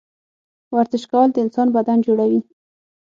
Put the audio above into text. ورزش کول د انسان بدن جوړوي